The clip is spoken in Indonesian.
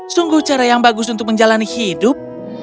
sungguh cara yang bagus untuk menjalani hidup